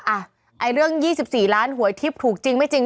อ่ะไอ้เรื่อง๒๔ล้านหวยทิพย์ถูกจริงไม่จริง